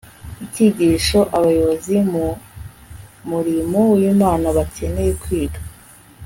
Icyigisho abayobozi mu murimo wImana bakeneye kwiga